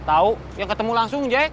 tau yang ketemu langsung jack